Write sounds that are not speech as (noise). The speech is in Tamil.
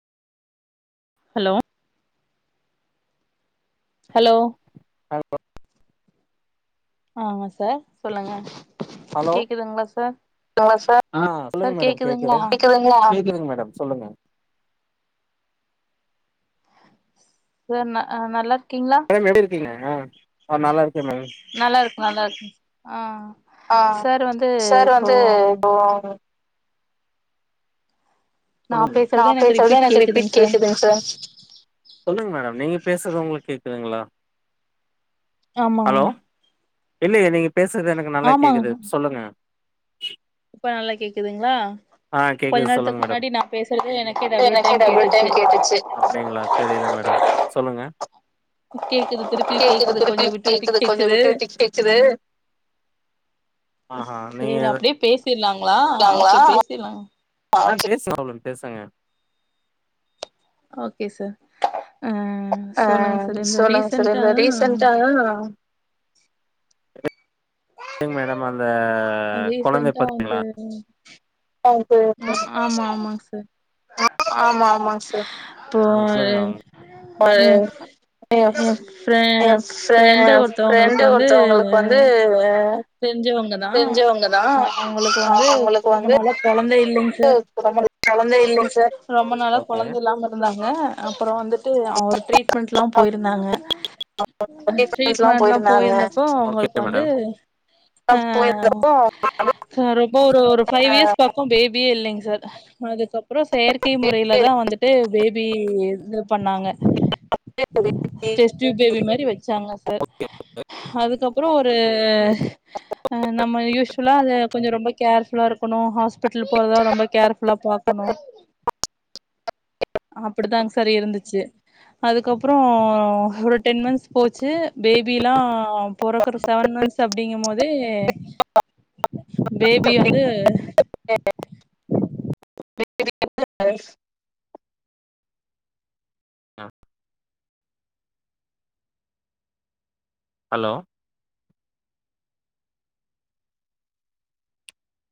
ஹலோ ஹலோ (unintelligible) ஆமா சார் சொல்லுங்க ஹலோ கேக்குதுங்களா சார் ஆ சொல்லுங்க சார் மேடம் கேக்குதுங்களா கேக்குது கேக்குதுங் மேடம் சொல்லுங்க சார் ந நல்லா இருக்கீங்ளா மேடம் எப்டி இருக்கீங்க ஆ நல்லா இருக்கே மேடம் நல்லாருக் நல்லா இருக் ஆ ஆ சார் வந்து சார் இப்போ வந்து இப்போ நா பேசற்தே எனக் ரிப்பீட் கேக்குதுங் சார் சொல்லுங்க மேடம் நீங்க பேசுறது உங்களுக்கு கேக்குதுங்களா ஆமாங்க ஹலோ இல்லையே நீங்க பேசுறத் எனக்கு நல்லா கேக்குது ஆமாங்க சொல்லுங்க இப்ப நல்லா கேக்குதுங்ளா ஆ கொஞ்ச நேரத்துக் முன்னாடி நா பேசுறதே எனக் அப்டிங்ளா தெரியல மேடம் சொல்லுங்க கேக்குது திருப்பி கேக்குது கொஞ்சோ திருப்பியு விட்டு விட்டு கேக்குது கொஞ்ச விட்டு விட்டு கேக்குது ஆஹா சேரி நீங்க அப்பிடியே பேசிர்லாங்ளா ஓகே பேசிர்லாங் மேடம் பேசுங்க ஓகே சார் அ ஆ சொல்லுங்க சார் இந்த ரீசன்ட்டா ஆ இலீங் மேடம் அந்த கொழந்தை ரீசன்ட்டா பாத்தீங்களா வந்து அது ஆமா ஆமாங் சர் ஆமாம்மா சார் அ எ எ எ ஃப்ரே ஃப்ரெண்டு ஒருத்தவங்களுக்கு ஃப்ரெண்டு வந்து ஒர்த்தவ்ங்களுக் இப்ப வந்து ஆ தெரிஞ்சவங்க தா அவுங்களுக்கு வந்து ரொம்ப நாளா கொழந்த இல்லிங்க து நம்மளூக் கொழந்த இல்லைங் சார் ரொம்ப நாளா கொழந்த இல்லாம இருந்தாங்க அப்புற வந்துட்டு அவுங்க ஒர் ட்ரீட்மெண்ட்லா போயிருந்தாங்க அந் ட்ரீட்மெண்ட்லா போயிருந்தப்போ ஓகே அவுங்களுக்கு வந்து மேடம் ஆ போயிருந்தப்போ ரொம்ப ஒரு ஒரு ஃபைவ் இயர்ஸ் பக்கம் பேபியே இல்லேங் சார் அதுக்கப்புறோ செயற்கை முறையில தான் வந்துட்டு பேபி இது பண்ணாங்க அப்டியாங்க டெஸ்ட் ட்யூப் பேபி மாரி வச்சாங்க சார் அதுக்கப்புற ஒரு ஹ நம்ம யூஸ்யுலா அது கொஞ்சே ரொம்ப கேர்ஃபுல்லா இருக்கணூ ஹாஸ்பிட்டல் போறதா ரொம்ப கேர்ஃபுல்லா பாக்கணோ அப்பிடிதாங் சார் இருந்துச்சு அதுக்கப்புறோ ஒரு டென் மந்த்ஸ் போச்சு பேபிலா பொறக்குற செவன் மந்த்ஸ் அப்டிங்கும் போது பேபி வந்து (unintelligible) அ ஹலோ